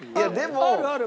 あるある！